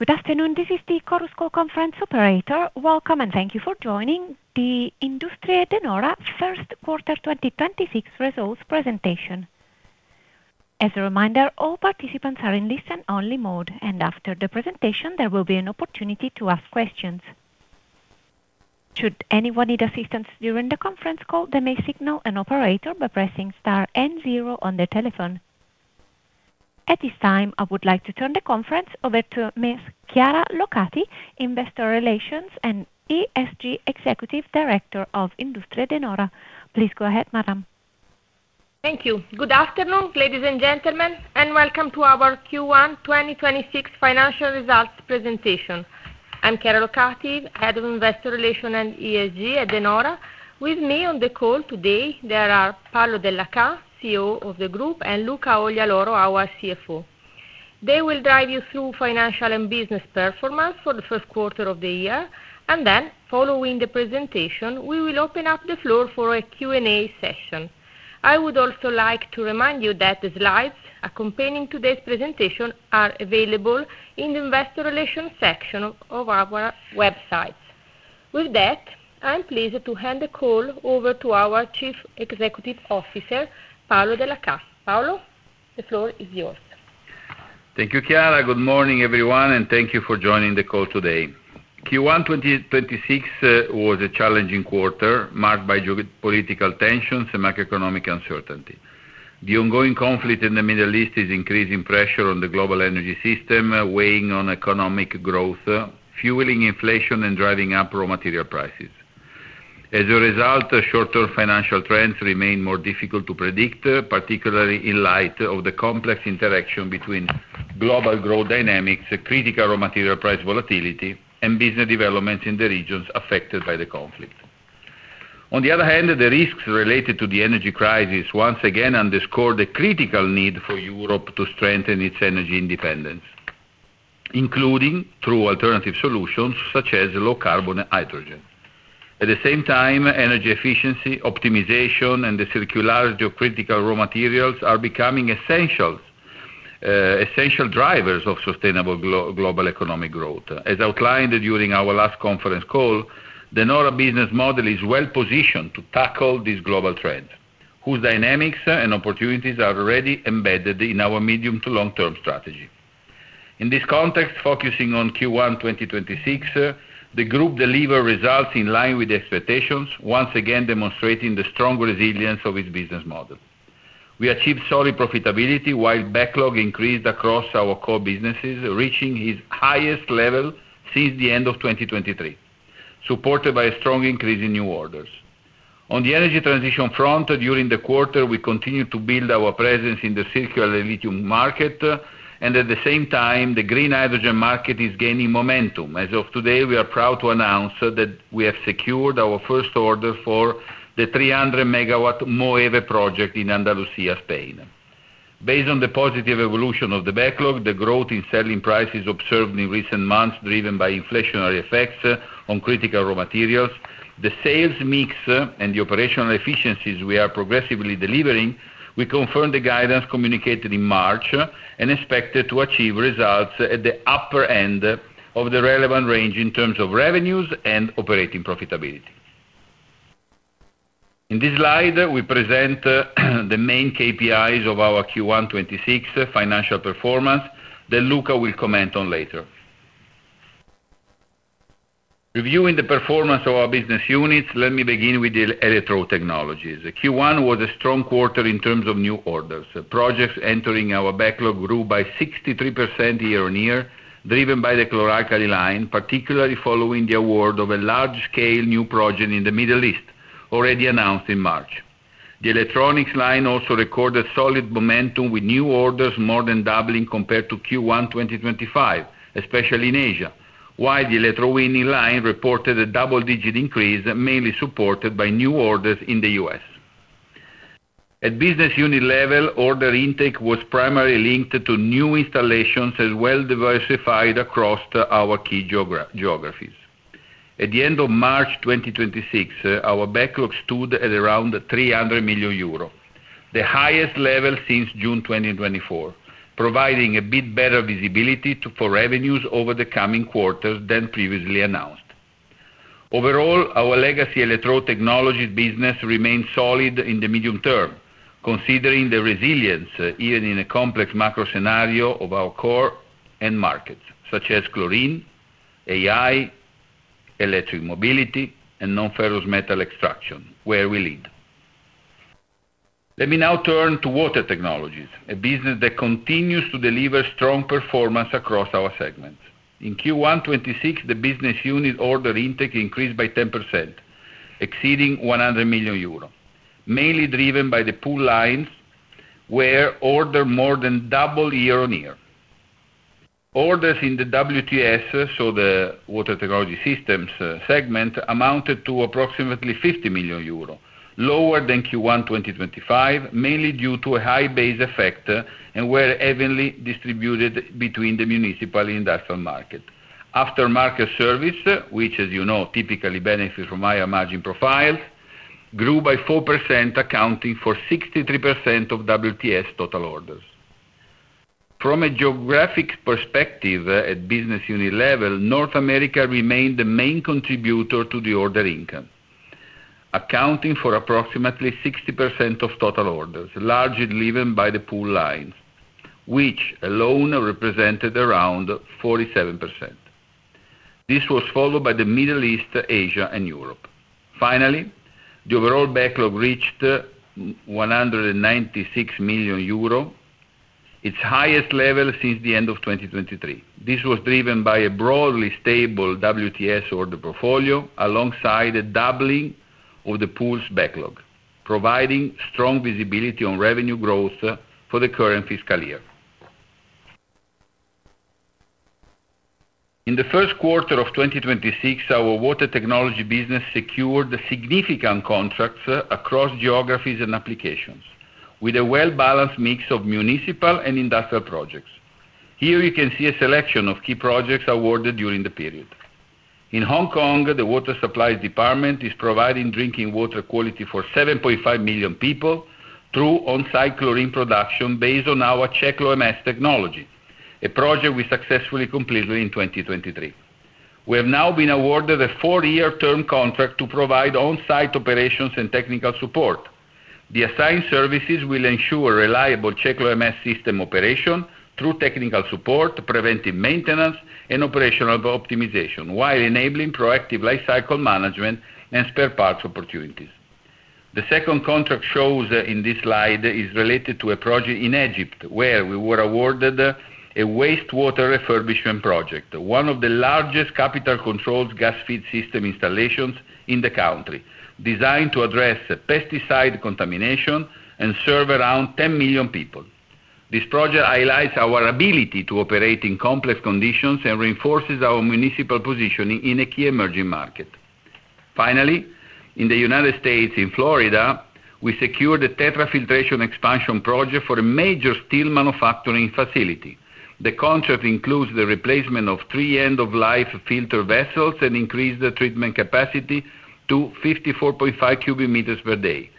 Good afternoon. This is the Chorus Call conference operator. Welcome, and thank you for joining the Industrie De Nora First Quarter 2026 Results Presentation. As a reminder, all participants are in listen only mode, and after the presentation, there will be an opportunity to ask questions. Should anyone need assistance during the conference call, they may signal an operator by pressing star and zero on their telephone. At this time, I would like to turn the conference over to Ms. Chiara Locati, Investor Relations and ESG Executive Director of Industrie De Nora. Please go ahead, madam. Thank you. Good afternoon, ladies and gentlemen, and welcome to our Q1 2026 Financial Results Presentation. I'm Chiara Locati, Head of Investor Relations and ESG at De Nora. With me on the call today there are Paolo Dellachà, CEO of the group, and Luca Oglialoro, our CFO. They will drive you through financial and business performance for the first quarter of the year. Following the presentation, we will open up the floor for a Q&A session. I would also like to remind you that the slides accompanying today's presentation are available in the investor relations section of our website. With that, I'm pleased to hand the call over to our Chief Executive Officer, Paolo Dellachà. Paolo, the floor is yours. Thank you, Chiara. Good morning, everyone, and thank you for joining the call today. Q1 2026 was a challenging quarter, marked by geopolitical tensions and macroeconomic uncertainty. The ongoing conflict in the Middle East is increasing pressure on the global energy system, weighing on economic growth, fueling inflation and driving up raw material prices. As a result, short-term financial trends remain more difficult to predict, particularly in light of the complex interaction between global growth dynamics, critical raw material price volatility, and business developments in the regions affected by the conflict. On the other hand, the risks related to the energy crisis once again underscore the critical need for Europe to strengthen its energy independence, including through alternative solutions such as low carbon hydrogen. At the same time, energy efficiency, optimization, and the circularity of critical raw materials are becoming essential drivers of sustainable global economic growth. As outlined during our last conference call, De Nora business model is well-positioned to tackle this global trend, whose dynamics and opportunities are already embedded in our medium to long-term strategy. In this context, focusing on Q1 2026, the group deliver results in line with expectations, once again demonstrating the strong resilience of its business model. We achieved solid profitability while backlog increased across our core businesses, reaching its highest level since the end of 2023, supported by a strong increase in new orders. On the energy transition front, during the quarter, we continued to build our presence in the circular lithium market, and at the same time, the green hydrogen market is gaining momentum. As of today, we are proud to announce that we have secured our first order for the 300 MW Moeve project in Andalusia, Spain. Based on the positive evolution of the backlog, the growth in selling prices observed in recent months, driven by inflationary effects on critical raw materials, the sales mix, and the operational efficiencies we are progressively delivering, we confirm the guidance communicated in March, and expect to achieve results at the upper end of the relevant range in terms of revenues and operating profitability. In this slide, we present the main KPIs of our Q1 2026 financial performance that Luca will comment on later. Reviewing the performance of our business units, let me begin with the electrode technologies. Q1 was a strong quarter in terms of new orders. The projects entering our backlog grew by 63% year-on-year, driven by the chlor-alkali line, particularly following the award of a large scale new project in the Middle East, already announced in March. The electronics line also recorded solid momentum with new orders more than doubling compared to Q1 2025, especially in Asia. While the electrowinning line reported a double-digit increase, mainly supported by new orders in the U.S. At business unit level, order intake was primarily linked to new installations as well diversified across our key geographies. At the end of March 2026, our backlog stood at around 300 million euro, the highest level since June 2024, providing a bit better visibility for revenues over the coming quarters than previously announced. Our legacy electrode technologies business remains solid in the medium term, considering the resilience, even in a complex macro scenario of our core end markets, such as chlorine, AI, electric mobility and non-ferrous metal extraction, where we lead. Let me now turn to water technologies, a business that continues to deliver strong performance across our segments. In Q1 2026, the business unit order intake increased by 10%, exceeding 100 million euro, mainly driven by the pool lines where order more than double year-on-year. Orders in the WTS, so the water technology systems segment, amounted to approximately 50 million euro, lower than Q1 2025, mainly due to a high base effect, and were evenly distributed between the municipal industrial market. Aftermarket service, which as you know, typically benefits from higher margin profile grew by 4%, accounting for 63% of WTS total orders. From a geographic perspective at business unit level, North America remained the main contributor to the order income, accounting for approximately 60% of total orders, largely driven by the pool lines, which alone represented around 47%. This was followed by the Middle East, Asia, and Europe. Finally, the overall backlog reached 196 million euro, its highest level since the end of 2023. This was driven by a broadly stable WTS order portfolio alongside a doubling of the pool's backlog, providing strong visibility on revenue growth for the current fiscal year. In the first quarter of 2026, our water technologies business secured significant contracts across geographies and applications with a well-balanced mix of municipal and industrial projects. Here you can see a selection of key projects awarded during the period. In Hong Kong, the water supply department is providing drinking water quality for 7.5 million people through on-site chlorine production based on our CECHLO-MS technology, a project we successfully completed in 2023. We have now been awarded a four-year term contract to provide on-site operations and technical support. The assigned services will ensure reliable CECHLO-MS system operation through technical support, preventive maintenance, and operational optimization, while enabling proactive lifecycle management and spare parts opportunities. The second contract shows in this slide is related to a project in Egypt, where we were awarded a wastewater refurbishment project, one of the largest capital-controlled gas feed system installations in the country, designed to address pesticide contamination and serve around 10 million people. This project highlights our ability to operate in complex conditions and reinforces our municipal positioning in a key emerging market. Finally, in the United States, in Florida, we secured a TETRA filtration expansion project for a major steel manufacturing facility. The contract includes the replacement of three end-of-life filter vessels and increase the treatment capacity to 54.5 cubic meters per day.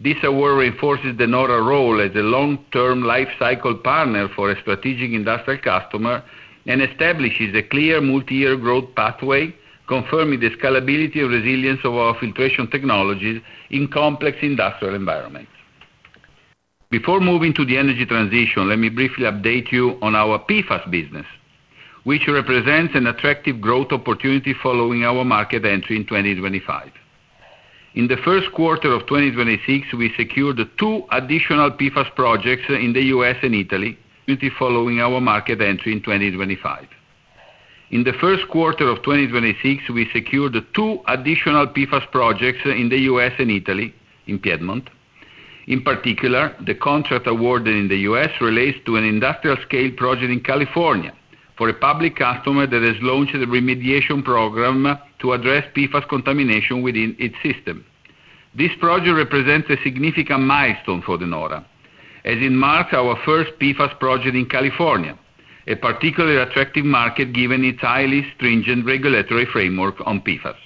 This award reinforces De Nora role as a long-term life cycle partner for a strategic industrial customer and establishes a clear multi-year growth pathway, confirming the scalability and resilience of our filtration technologies in complex industrial environments. Before moving to the energy transition, let me briefly update you on our PFAS business, which represents an attractive growth opportunity following our market entry in 2025. In the first quarter of 2026, we secured two additional PFAS projects in the U.S. and Italy, following our market entry in 2025. In the first quarter of 2026, we secured two additional PFAS projects in the U.S. and Italy, in Piedmont. In particular, the contract awarded in the U.S. relates to an industrial-scale project in California for a public customer that has launched a remediation program to address PFAS contamination within its system. This project represents a significant milestone for De Nora, as it marks our first PFAS project in California, a particularly attractive market given its highly stringent regulatory framework on PFAS.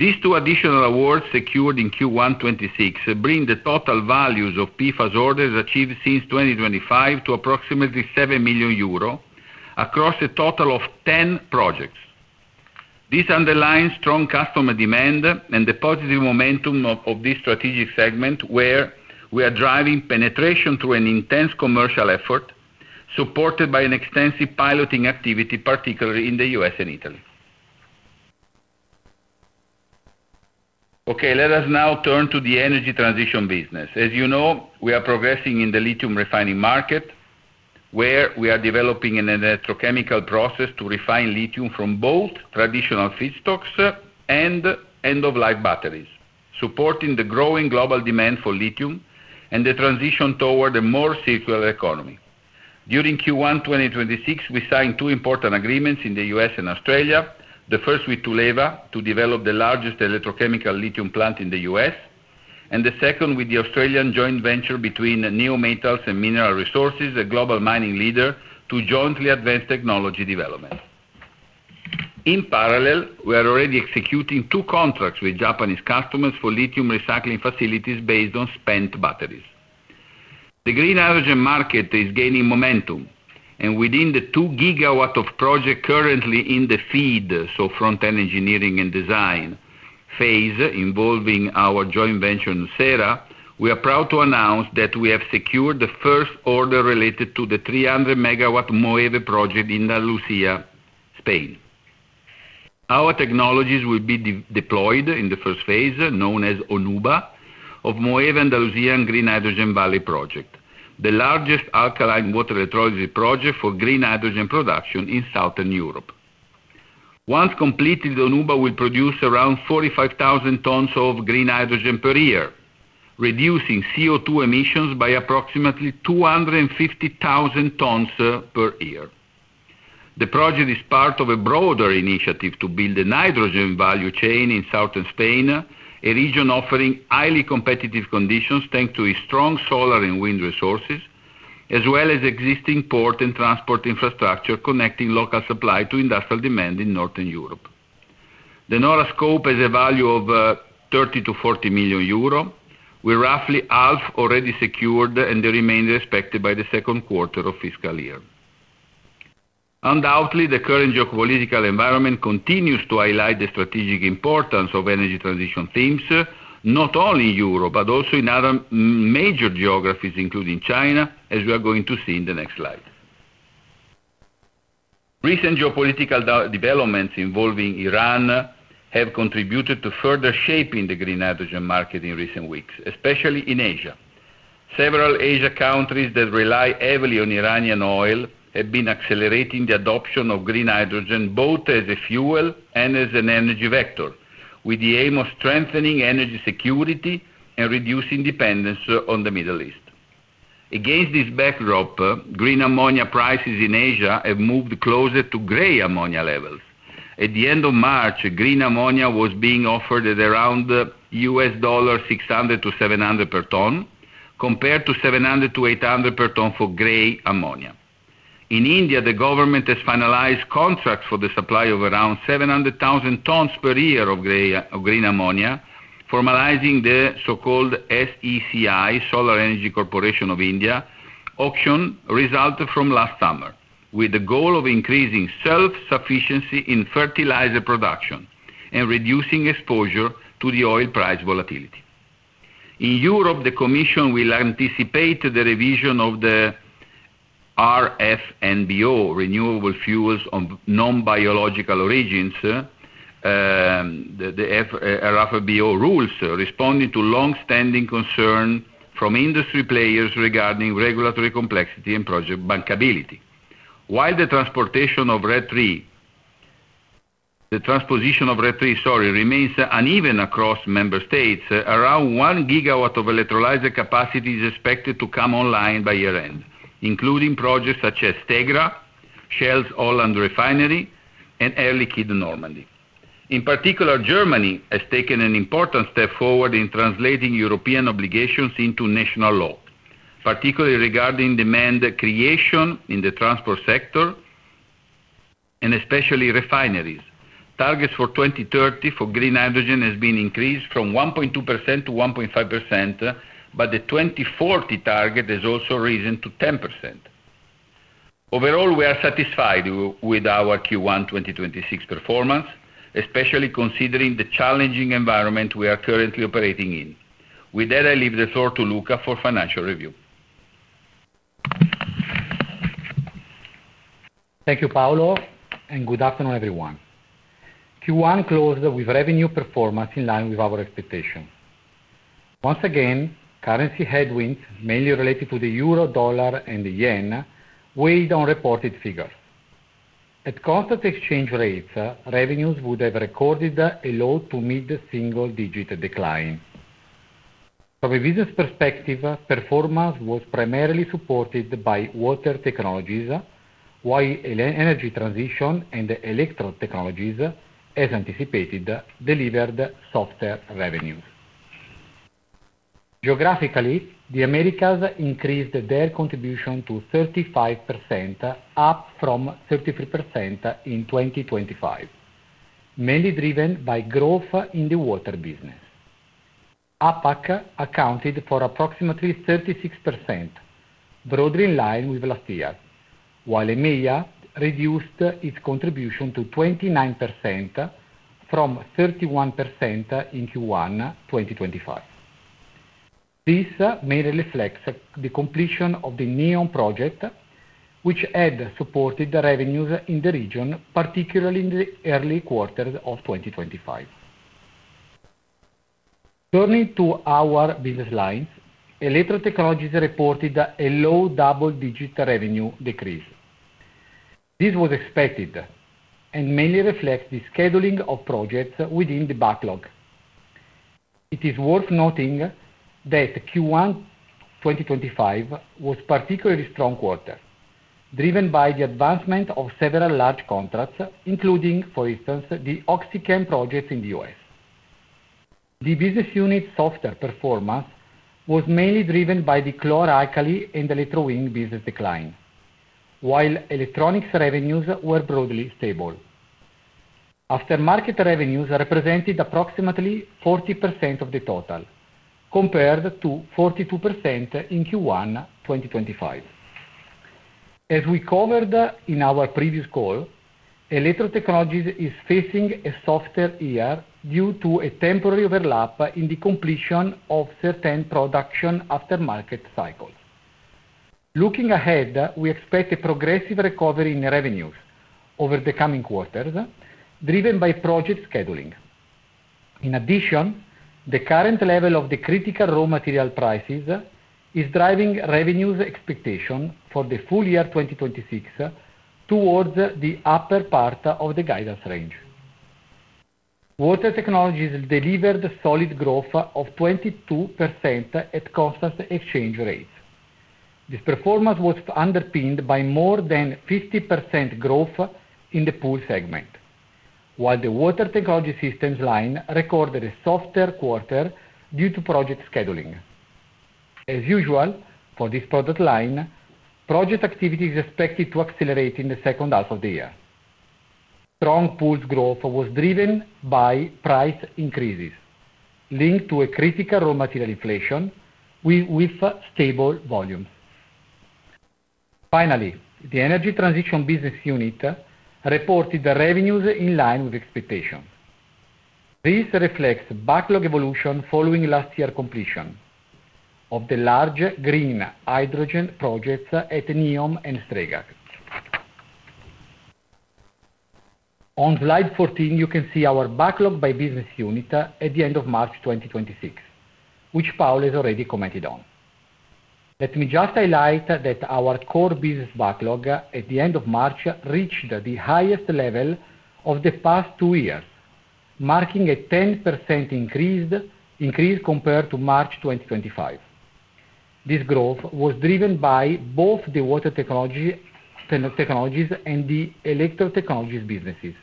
These two additional awards secured in Q1 2026 bring the total values of PFAS orders achieved since 2025 to approximately 7 million euro across a total of 10 projects. This underlines strong customer demand and the positive momentum of this strategic segment where we are driving penetration through an intense commercial effort supported by an extensive piloting activity, particularly in the U.S. and Italy. Okay. Let us now turn to the energy transition business. As you know, we are progressing in the lithium refining market, where we are developing an electrochemical process to refine lithium from both traditional feedstocks and end-of-life batteries, supporting the growing global demand for lithium and the transition toward a more circular economy. During Q1 2026, we signed two important agreements in the U.S. and Australia. The first with Tuleva to develop the largest electrochemical lithium plant in the U.S., and the second with the Australian joint venture between Neometals and Mineral Resources, a global mining leader, to jointly advance technology development. In parallel, we are already executing two contracts with Japanese customers for lithium recycling facilities based on spent batteries. The green hydrogen market is gaining momentum. Within the 2 GW of project currently in the FEED, so front-end engineering and design phase involving our joint venture, nucera, we are proud to announce that we have secured the first order related to the 300 MW Moeve project in Andalusia, Spain. Our technologies will be de-deployed in the first phase, known as Onuba, of Moeve Andalusian Green Hydrogen Valley project, the largest alkaline water electrolysis project for green hydrogen production in Southern Europe. Once completed, Onuba will produce around 45,000 tons of green hydrogen per year, reducing CO2 emissions by approximately 250,000 tons per year. The project is part of a broader initiative to build a hydrogen value chain in Southern Spain, a region offering highly competitive conditions, thanks to its strong solar and wind resources. As well as existing port and transport infrastructure connecting local supply to industrial demand in Northern Europe. De Nora scope has a value of 30 million-40 million euro, with roughly half already secured and the remainder expected by the second quarter of fiscal year. Undoubtedly, the current geopolitical environment continues to highlight the strategic importance of energy transition themes, not only Europe, but also in other major geographies, including China, as we are going to see in the next slide. Recent geopolitical developments involving Iran have contributed to further shaping the green hydrogen market in recent weeks, especially in Asia. Several Asia countries that rely heavily on Iranian oil have been accelerating the adoption of green hydrogen, both as a fuel and as an energy vector, with the aim of strengthening energy security and reducing dependence on the Middle East. Against this backdrop, green ammonia prices in Asia have moved closer to gray ammonia levels. At the end of March, green ammonia was being offered at around $600-$700 per ton, compared to $700-$800 per ton for gray ammonia. In India, the government has finalized contracts for the supply of around 700,000 tons per year of green ammonia, formalizing the so-called SECI, Solar Energy Corporation of India auction result from last summer, with the goal of increasing self-sufficiency in fertilizer production and reducing exposure to the oil price volatility. In Europe, the commission will anticipate the revision of the RFNBO, Renewable Fuels of Non-Biological Origin, the RFNBO rules, responding to long-standing concern from industry players regarding regulatory complexity and project bankability. While the transposition of RED III, sorry, remains uneven across member states, around 1 GW of electrolyzer capacity is expected to come online by year-end, including projects such as Stegra, Shell's Holland Refinery, and Air Liquide Normand'Hy. In particular, Germany has taken an important step forward in translating European obligations into national law, particularly regarding demand creation in the transport sector and especially refineries. Targets for 2030 for green hydrogen has been increased from 1.2% to 1.5%, but the 2040 target has also risen to 10%. Overall, we are satisfied with our Q1 2026 performance, especially considering the challenging environment we are currently operating in. With that, I leave the floor to Luca for financial review. Thank you, Paolo, and good afternoon, everyone. Q1 closed with revenue performance in line with our expectation. Once again, currency headwinds, mainly related to the euro, dollar, and the yen, weighed on reported figures. At constant exchange rates, revenues would have recorded a low to mid-single digit decline. From a business perspective, performance was primarily supported by water technologies, while energy transition and electrode technologies, as anticipated, delivered softer revenues. Geographically, the Americas increased their contribution to 35%, up from 33% in 2025, mainly driven by growth in the water business. APAC accounted for approximately 36%, broadly in line with last year, while EMEA reduced its contribution to 29% from 31% in Q1 2025. This mainly reflects the completion of the NEOM project, which had supported the revenues in the region, particularly in the early quarters of 2025. Turning to our business lines, electrode technologies reported a low double-digit revenue decrease. This was expected and mainly reflects the scheduling of projects within the backlog. It is worth noting that Q1 2025 was particularly strong quarter, driven by the advancement of several large contracts, including, for instance, the OxyChem project in the U.S. The business unit softer performance was mainly driven by the chlor-alkali and electrowinning business decline, while electronics revenues were broadly stable. After-market revenues represented approximately 40% of the total, compared to 42% in Q1 2025. As we covered in our previous call, electrode technologies is facing a softer year due to a temporary overlap in the completion of certain production after-market cycles. Looking ahead, we expect a progressive recovery in revenues over the coming quarters, driven by project scheduling. In addition, the current level of the critical raw material prices is driving revenues expectation for the full year 2026 towards the upper part of the guidance range. Water technologies delivered solid growth of 22% at constant exchange rates. This performance was underpinned by more than 50% growth in the pool segment. While the water technology systems line recorded a softer quarter due to project scheduling. As usual, for this product line, project activity is expected to accelerate in the second half of the year. Strong pools growth was driven by price increases linked to a critical raw material inflation with stable volumes. Finally, the energy transition business unit reported the revenues in line with expectations. This reflects backlog evolution following last year completion of the large green hydrogen projects at NEOM and Stegra. On slide 14, you can see our backlog by business unit at the end of March 2026, which Paolo has already commented on. Let me just highlight that our core business backlog at the end of March reached the highest level of the past two years, marking a 10% increase compared to March 2025. This growth was driven by both the water technologies and the electrode technologies businesses.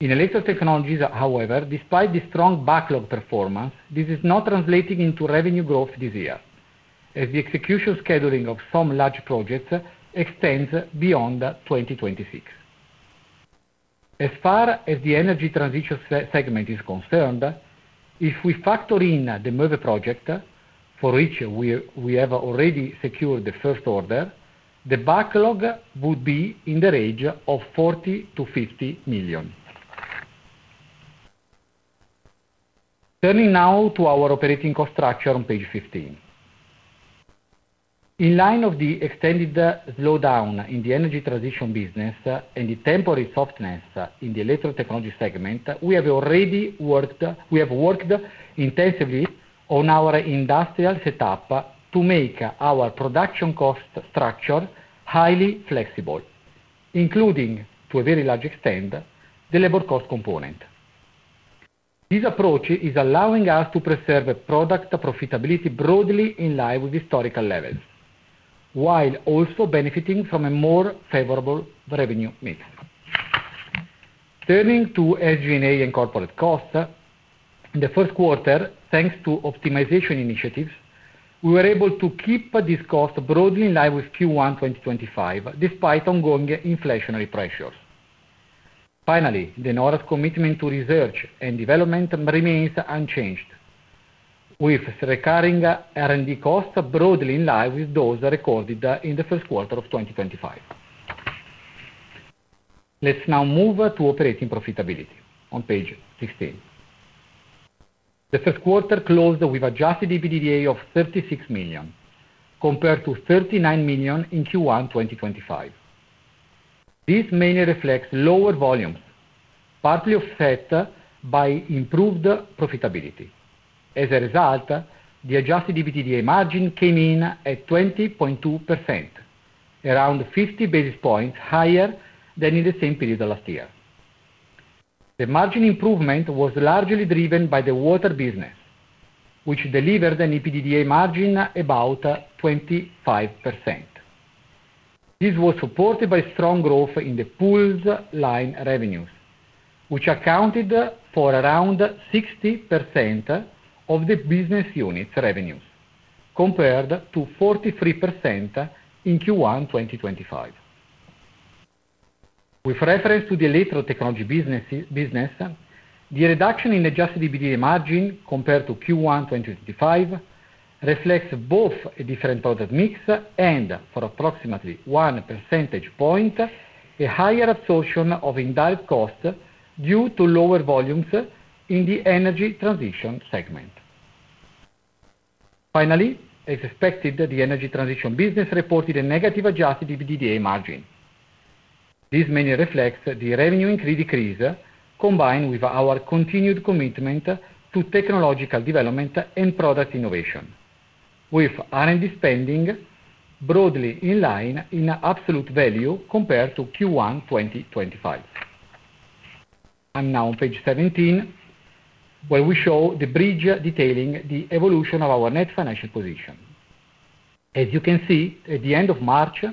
In electrode technologies, however, despite the strong backlog performance, this is not translating into revenue growth this year, as the execution scheduling of some large projects extends beyond 2026. As far as the energy transition segment is concerned, if we factor in the Moeve project, for which we have already secured the first order, the backlog would be in the range of 40 million-50 million. Turning now to our operating cost structure on page 15. In light of the extended slowdown in the energy transition business and the temporary softness in the electrode technologies segment, we have worked intensively on our industrial setup to make our production cost structure highly flexible, including, to a very large extent, the labor cost component. This approach is allowing us to preserve product profitability broadly in line with historical levels, while also benefiting from a more favorable revenue mix. Turning to SG&A and corporate costs. In the first quarter, thanks to optimization initiatives, we were able to keep this cost broadly in line with Q1 2025, despite ongoing inflationary pressures. The De Nora commitment to research and development remains unchanged, with recurring R&D costs broadly in line with those recorded in the first quarter of 2025. Let's now move to operating profitability on page 16. The first quarter closed with adjusted EBITDA of 36 million, compared to 39 million in Q1 2025. This mainly reflects lower volumes, partly offset by improved profitability. As a result, the adjusted EBITDA margin came in at 20.2%, around 50 basis points higher than in the same period last year. The margin improvement was largely driven by the water business, which delivered an EBITDA margin about 25%. This was supported by strong growth in the pools line revenues, which accounted for around 60% of the business unit's revenues, compared to 43% in Q1 2025. With reference to the electrode technologies business, the reduction in adjusted EBITDA margin compared to Q1 2025 reflects both a different product mix and, for approximately one percentage point, a higher absorption of indirect costs due to lower volumes in the energy transition segment. Finally, as expected, the energy transition business reported a negative adjusted EBITDA margin. This mainly reflects the revenue decrease, combined with our continued commitment to technological development and product innovation, with R&D spending broadly in line in absolute value compared to Q1 2025. I'm now on page 17, where we show the bridge detailing the evolution of our net financial position. As you can see, at the end of March,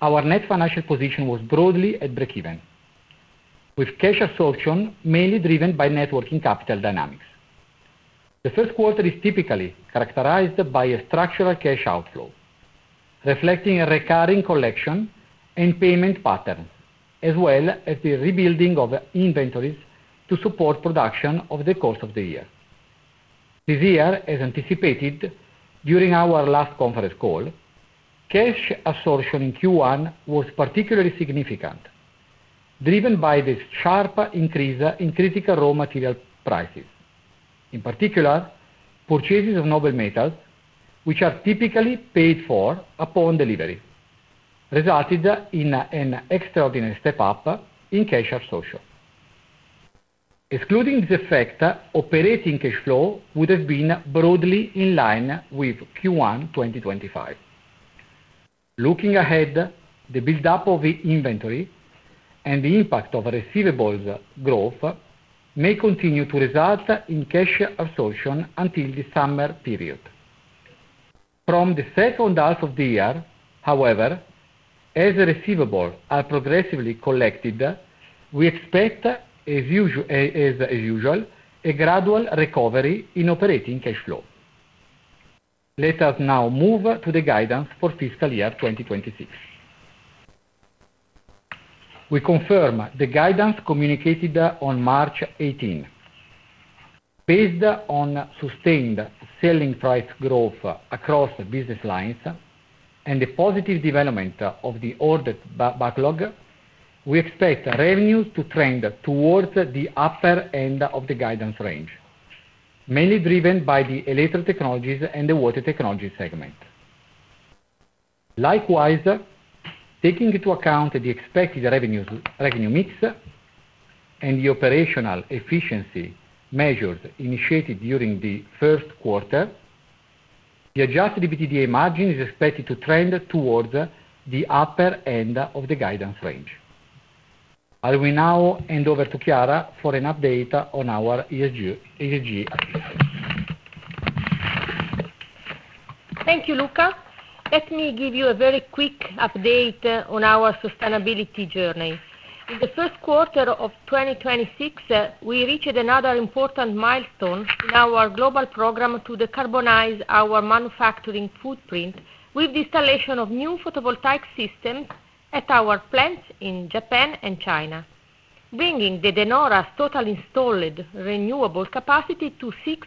our net financial position was broadly at break-even, with cash absorption mainly driven by net working capital dynamics. The first quarter is typically characterized by a structural cash outflow, reflecting a recurring collection and payment pattern, as well as the rebuilding of inventories to support production over the course of the year. This year, as anticipated during our last conference call, cash absorption in Q1 was particularly significant, driven by the sharp increase in critical raw material prices. In particular, purchases of noble metals, which are typically paid for upon delivery, resulted in an extraordinary step-up in cash absorption. Excluding this effect, operating cash flow would have been broadly in line with Q1 2025. Looking ahead, the build-up of the inventory and the impact of receivables growth may continue to result in cash absorption until the summer period. From the second half of the year, however, as receivable are progressively collected, we expect as usual a gradual recovery in operating cash flow. Let us now move to the guidance for fiscal year 2026. We confirm the guidance communicated on March 18th. Based on sustained selling price growth across the business lines and the positive development of the ordered backlog, we expect revenue to trend towards the upper end of the guidance range, mainly driven by the electrode technologies and the water technologies segment. Likewise, taking into account the expected revenues, revenue mix and the operational efficiency measures initiated during the first quarter, the adjusted EBITDA margin is expected to trend towards the upper end of the guidance range. I will now hand over to Chiara for an update on our ESG activities. Thank you, Luca. Let me give you a very quick update on our sustainability journey. In the first quarter of 2026, we reached another important milestone in our global program to decarbonize our manufacturing footprint with the installation of new photovoltaic systems at our plants in Japan and China, bringing the De Nora's total installed renewable capacity to 6.3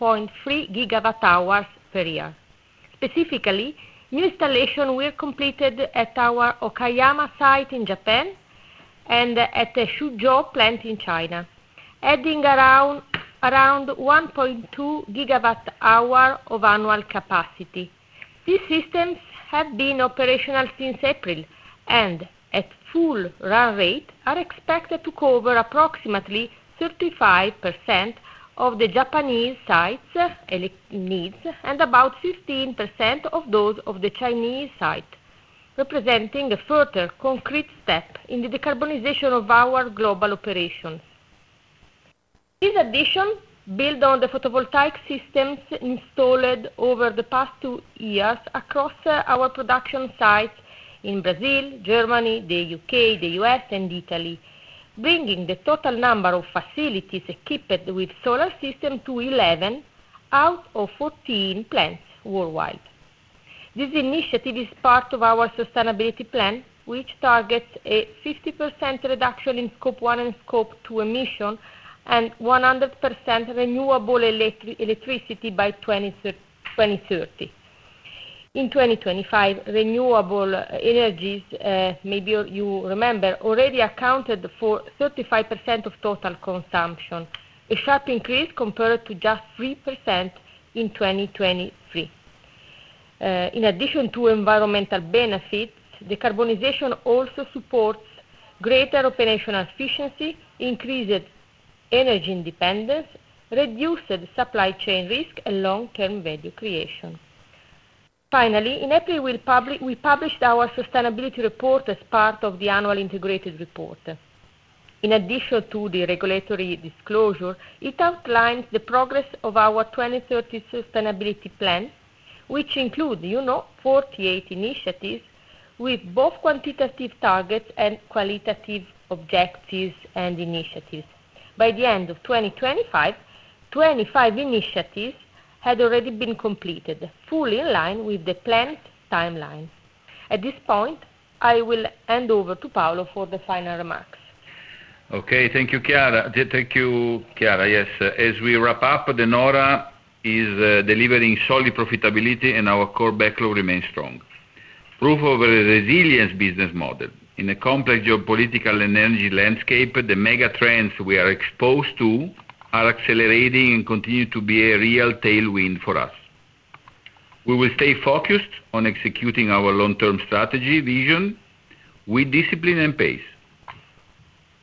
GWh per year. Specifically, new installation were completed at our Okayama site in Japan and at the Suzhou plant in China, adding around 1.2 GWh of annual capacity. These systems have been operational since April, and at full run rate are expected to cover approximately 35% of the Japanese site's elec-needs, and about 15% of those of the Chinese site, representing a further concrete step in the decarbonization of our global operations. These additions build on the photovoltaic systems installed over the past two years across our production site in Brazil, Germany, the U.K., the U.S., and Italy, bringing the total number of facilities equipped with solar systems to 11 out of 14 plants worldwide. This initiative is part of our sustainability plan, which targets a 50% reduction in Scope 1 and Scope 2 emissions and 100% renewable electricity by 2030. In 2025, renewable energies, maybe you remember, already accounted for 35% of total consumption, a sharp increase compared to just 3% in 2023. In addition to environmental benefits, decarbonization also supports greater operational efficiency, increased energy independence, reduced supply chain risk and long-term value creation. In April, we published our sustainability report as part of the annual integrated report. In addition to the regulatory disclosure, it outlines the progress of our 2030 Sustainability Plan, which includes, you know, 48 initiatives with both quantitative targets and qualitative objectives and initiatives. By the end of 2025, 25 initiatives had already been completed, fully in line with the planned timelines. At this point, I will hand over to Paolo for the final remarks. Okay, thank you, Chiara. Thank you, Chiara. Yes. As we wrap up, De Nora is delivering solid profitability and our core backlog remains strong, proof of a resilient business model. In a complex geopolitical and energy landscape, the mega trends we are exposed to are accelerating and continue to be a real tailwind for us. We will stay focused on executing our long-term strategy vision with discipline and pace.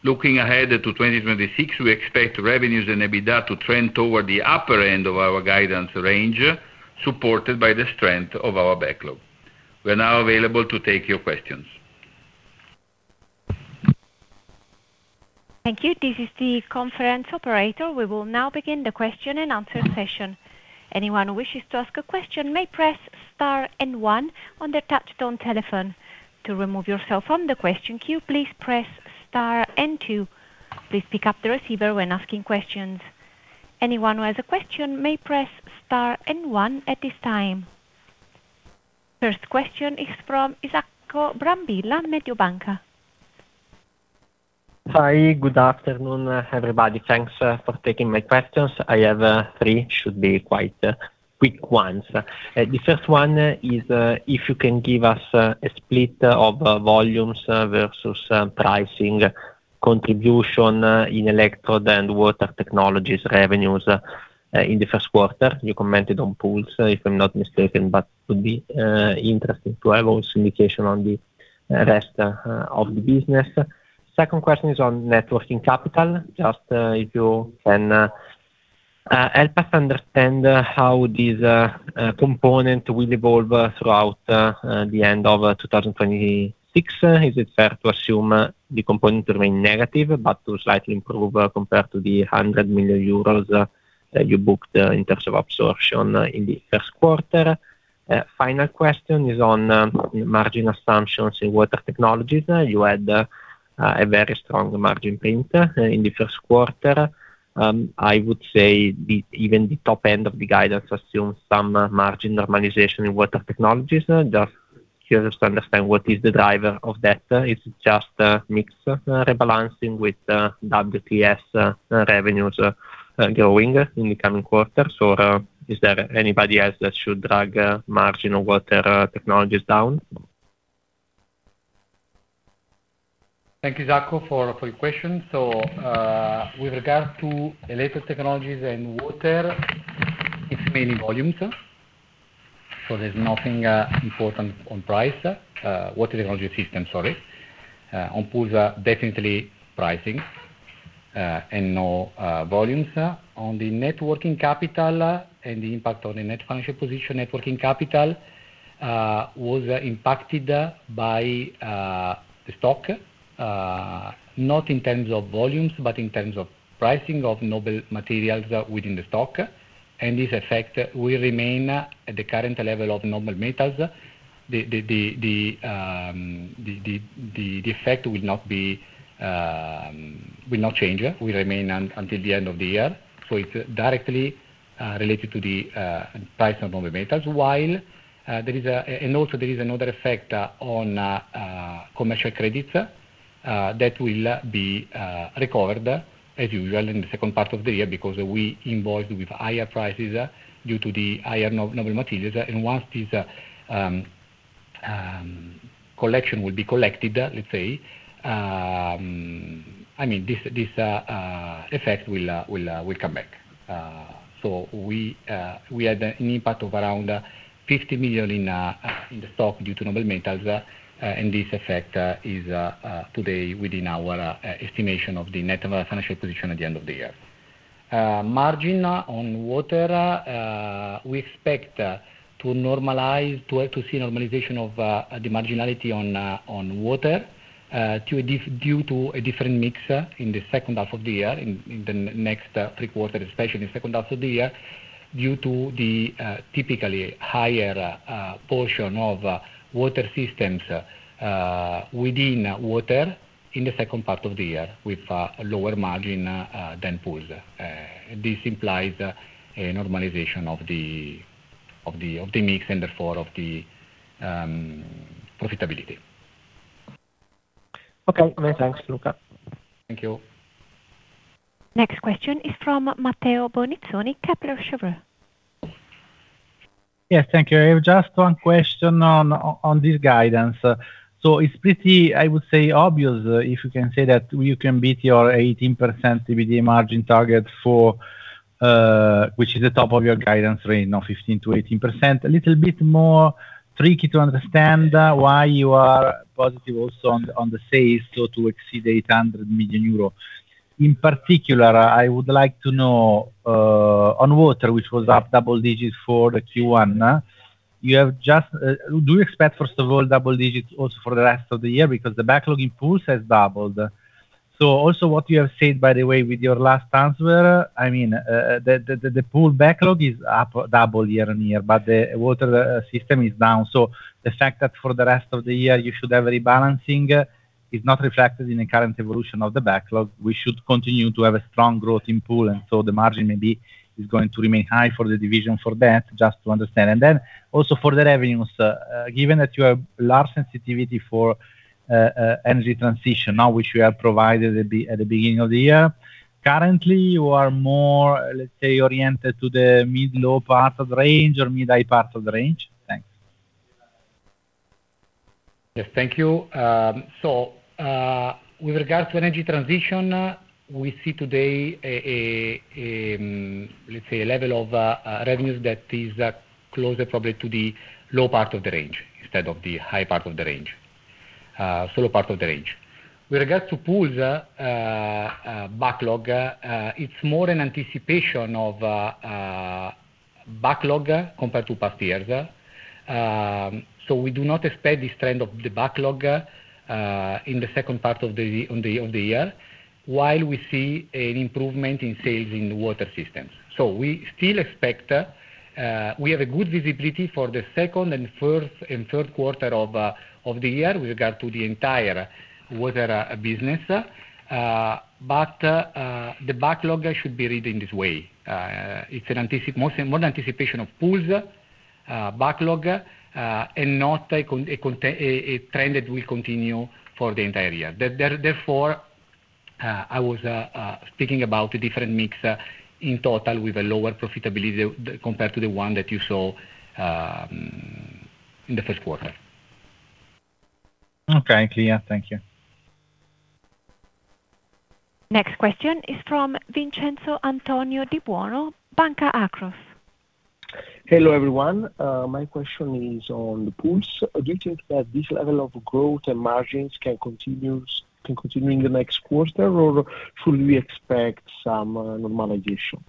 Looking ahead to 2026, we expect revenues and EBITDA to trend toward the upper end of our guidance range, supported by the strength of our backlog. We're now available to take your questions. Thank you. This is the conference operator. We will now begin the question and answer session. Anyone who wishes to ask a question, may press star and one on the touch-tone telephone. To remove yourself from the question queue, please press star and two. Please pick up the receiver when asking questions. Anyone who has a question may press star and one at this time. First question is from Isacco Brambilla, Mediobanca. Hi, good afternoon, everybody. Thanks for taking my questions. I have three, should be quite quick ones. The first one is, if you can give us a split of volumes versus pricing contribution in electrode and water technologies revenues in the first quarter. You commented on pools, if I'm not mistaken, but it would be interesting to have also indication on the rest of the business. Second question is on net working capital. Just, if you can help us understand how this component will evolve throughout the end of 2026. Is it fair to assume the component remain negative, but to slightly improve compared to the 100 million euros, you booked in terms of absorption in the first quarter. Final question is on margin assumptions in water technologies. You had a very strong margin print in the first quarter. I would say even the top end of the guidance assumes some margin normalization in water technologies. Just curious to understand what is the driver of that. Is it just a mix rebalancing with WTS revenues going in the coming quarters, or is there anybody else that should drag margin or water technologies down? Thank you, Isacco, for your question. With regard to the latest technologies in water, it's mainly volumes, there's nothing important on price. Water technology systems, sorry. On pools, definitely pricing, and no volumes. On the net working capital, and the impact on the net financial position, net working capital was impacted by the stock, not in terms of volumes, but in terms of pricing of noble metals within the stock. This effect will remain at the current level of noble metals. The effect will not be, will not change. Will remain until the end of the year. It's directly related to the price of noble metals. While there is and also there is another effect on commercial credits that will be recovered as usual in the second part of the year because we invoice with higher prices due to the higher noble metals. Once this collection will be collected, let's say, I mean, this effect will come back. We had an impact of around 50 million in the stock due to noble metals. This effect is today within our estimation of the net financial position at the end of the year. Margin on water, we expect to see normalization of the marginality on on water, due to a different mix in the second half of the year, in the next three quarters, especially in the second half of the year, due to the typically higher portion of water systems within water in the second part of the year with lower margin than pools. This implies a normalization of the mix and therefore of the profitability. Okay. Great. Thanks, Luca. Thank you. Next question is from Matteo Bonizzoni, Kepler Cheuvreux. Yes, thank you. I have just one question on this guidance. It's pretty, I would say, obvious, if you can say that you can beat your 18% EBITDA margin target, which is the top of your guidance range of 15%-18%. A little bit more tricky to understand why you are positive also on the sales to exceed 800 million euro. In particular, I would like to know on water, which was up double digits for the Q1, do you expect, first of all, double digits also for the rest of the year? The backlog in pools has doubled. Also what you have said, by the way, with your last answer, I mean, the pool backlog is up double year-on-year, but the water system is down. The fact that for the rest of the year you should have rebalancing is not reflected in the current evolution of the backlog. We should continue to have a strong growth in pool, the margin maybe is going to remain high for the division for that. Just to understand. Also for the revenues, given that you have large sensitivity for energy transition now, which you have provided at the beginning of the year, currently you are more, let's say, oriented to the mid-low part of the range or mid-high part of the range? Thanks. Yes, thank you. With regards to energy transition, we see today let's say, a level of revenues that is closer probably to the low part of the range instead of the high part of the range. Low part of the range. With regards to pools, backlog, it's more an anticipation of backlog compared to past years. We do not expect this trend of the backlog in the second part of the year, while we see an improvement in sales in the water systems. We still expect we have a good visibility for the second and fourth, and third quarter of the year with regard to the entire water business. The backlog should be read in this way. It's an anticipation of pools, backlog, and not a trend that will continue for the entire year. Therefore, I was speaking about a different mix in total with a lower profitability compared to the one that you saw in the first quarter. Okay. Clear. Thank you. Next question is from Vincenzo Antonio Di Buono, Banca Akros. Hello, everyone. My question is on the pools. Do you think that this level of growth and margins can continue in the next quarter, or should we expect some normalization?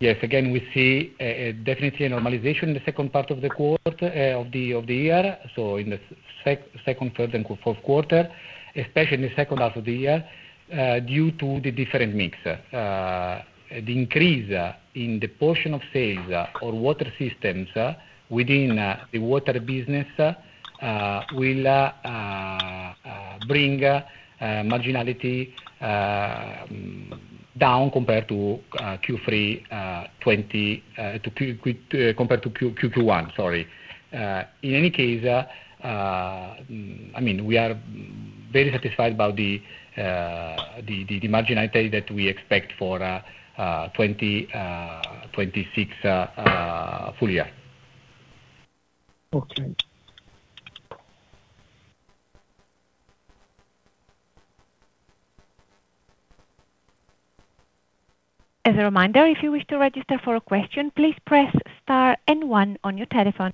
Yes. Again, we see a definitely a normalization in the second part of the quarter of the year, so in the second, third and fourth quarter, especially in the second half of the year, due to the different mix. The increase in the portion of sales or water systems within the water business will bring marginality down compared to Q3 2020 compared to Q1, sorry. In any case, I mean, we are very satisfied about the marginality that we expect for 2026 full year. Okay. As a reminder, if you wish to register for a question, please press star and one on your telephone.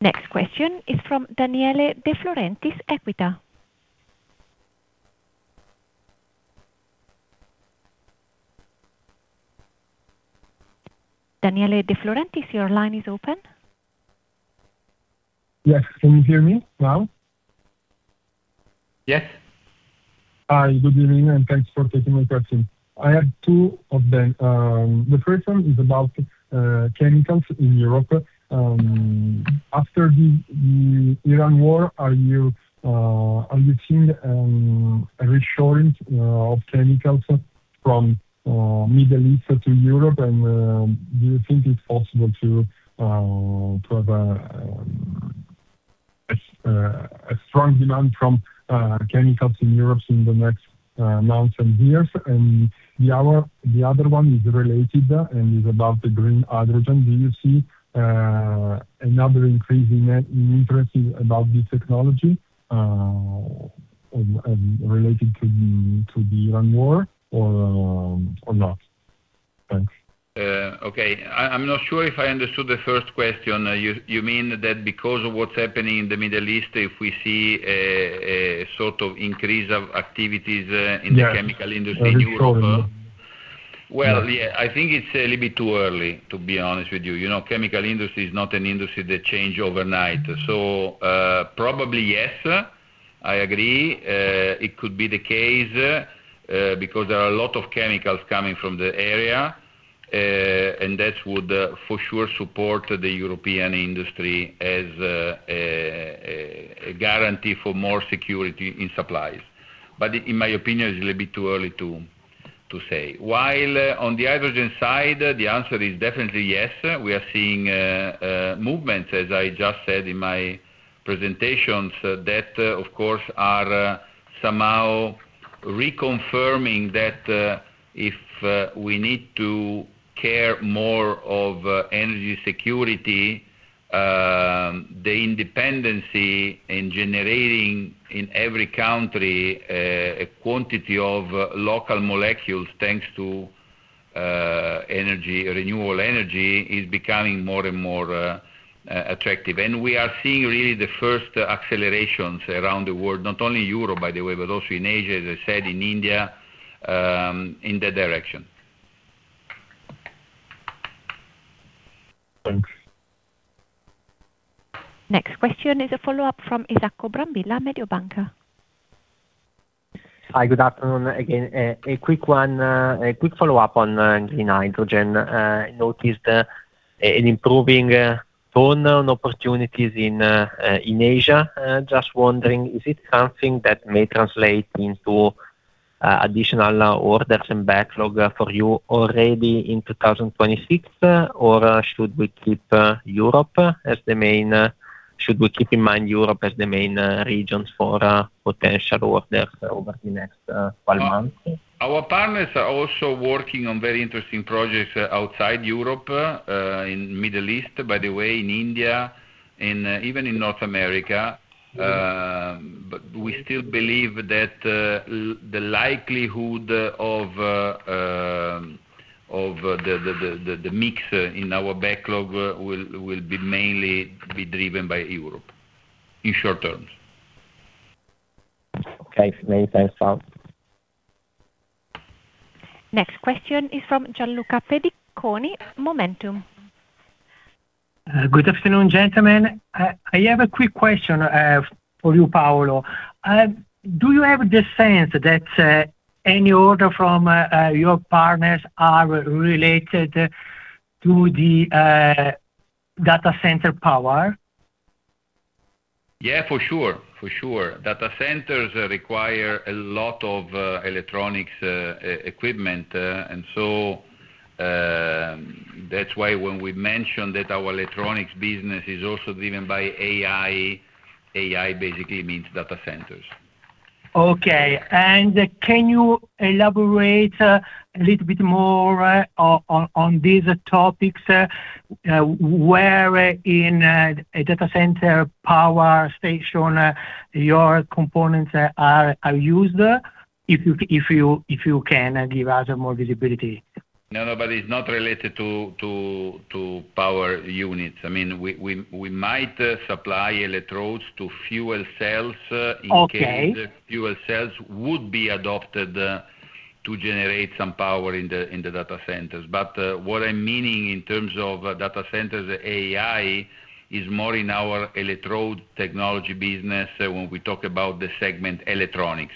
Next question is from Daniele De Florentis, EQUITA. Daniele De Florentis, your line is open. Yes. Can you hear me now? Yes. Hi, good evening, and thanks for taking my question. I have two of them. The first one is about chemicals in Europe. After the Iran war, are you seeing a reshoring of chemicals from Middle East to Europe? Do you think it's possible to have a strong demand from chemicals in Europe in the next months and years? The other one is related and is about green hydrogen. Do you see another increase in interest about this technology related to the Iran war or not? Thanks. Okay. I'm not sure if I understood the first question. You mean that because of what's happening in the Middle East, if we see a sort of increase of activities in the chemical industry in Europe? Yes. That is correct. Well, yeah, I think it's a little bit too early, to be honest with you. You know, chemical industry is not an industry that change overnight. Probably yes, I agree. It could be the case because there are a lot of chemicals coming from the area, and that would for sure support the European industry as a guarantee for more security in supplies. In my opinion, it's a little bit too early to say. While on the hydrogen side, the answer is definitely yes. We are seeing movements, as I just said in my presentations, that of course are somehow reconfirming that if we need to care more of energy security, the independency in generating in every country a quantity of local molecules, thanks to energy, renewable energy, is becoming more and more attractive. We are seeing really the first accelerations around the world, not only Europe, by the way, but also in Asia, as I said, in India, in that direction. Thanks. Next question is a follow-up from Isacco Brambilla, Mediobanca. Hi. Good afternoon again. A quick one, a quick follow-up on green hydrogen. Noticed an improving tone on opportunities in Asia. Just wondering, is it something that may translate into additional orders and backlog for you already in 2026? Or should we keep in mind Europe as the main region for potential orders over the next 12 months? Our partners are also working on very interesting projects outside Europe, in Middle East, by the way, in India, even in North America. We still believe that the likelihood of the mix in our backlog will mainly be driven by Europe in short terms. Okay. Many thanks, Paolo. Next question is from Gianluca Pediconi, MOMentum. Good afternoon, gentlemen. I have a quick question for you, Paolo. Do you have the sense that any order from your partners are related to the data center power? Yeah, for sure. Data centers require a lot of electronics, e-equipment. That's why when we mentioned that our electronics business is also driven by AI basically means data centers. Okay. Can you elaborate a little bit more on this topics, where in a data center power station your components are used, if you can give us more visibility? No, no, but it's not related to, to power units. I mean, we might supply electrodes to fuel cells. Okay. In case fuel cells would be adopted to generate some power in the data centers. What I'm meaning in terms of data centers AI is more in our electrode technologies business when we talk about the segment electronics.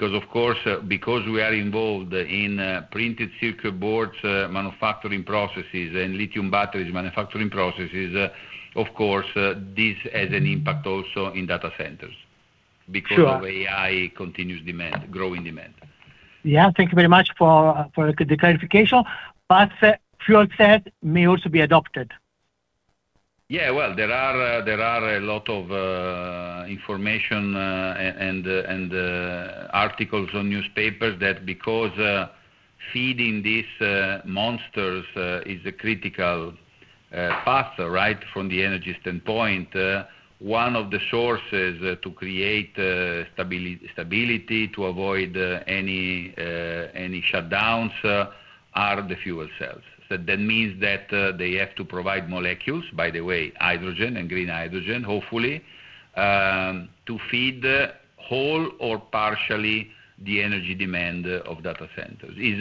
Of course, because we are involved in printed circuit boards manufacturing processes and lithium batteries manufacturing processes, of course, this has an impact also in data centers. Sure. Because of AI continuous demand, growing demand. Yeah. Thank you very much for the clarification. Fuel cell may also be adopted. Yeah. Well, there are, there are a lot of information, and, articles on newspapers that because, feeding these monsters, is a critical factor right from the energy standpoint, one of the sources to create stability, to avoid any shutdowns, are the fuel cells. That means that, they have to provide molecules, by the way, hydrogen and green hydrogen, hopefully, to feed whole or partially the energy demand of data centers. Is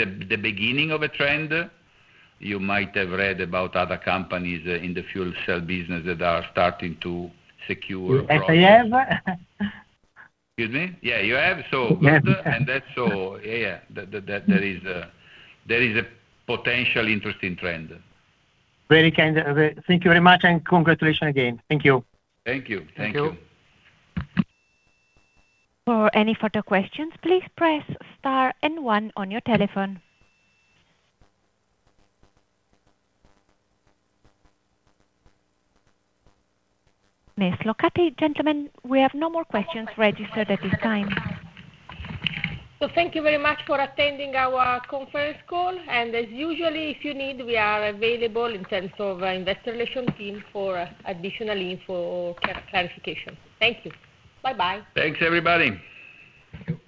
a the beginning of a trend? You might have read about other companies in the fuel cell business that are starting to secure projects. Yes, I have. Excuse me? Yeah, you have? Yes. Good. That's Yeah. That, there is a potential interesting trend. Very kind of it. Thank you very much, congratulations again. Thank you. Thank you. Thank you. Thank you. For any further questions, please press star and one on your telephone. Ms. Locati, gentlemen, we have no more questions registered at this time. Thank you very much for attending our conference call, and as usual, if you need, we are available in terms of investor relations team for additional info or clarification. Thank you. Bye-bye. Thanks, everybody. Thank you.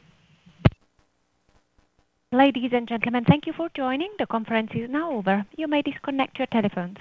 Ladies and gentlemen, thank you for joining. The conference is now over. You may disconnect your telephones.